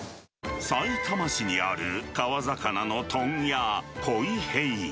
さいたま市にある川魚の問屋こいへい。